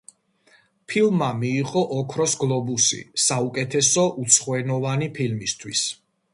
ფილმმა მიიღო ოქროს გლობუსი საუკეთესო უცხოენოვანი ფილმისთვის.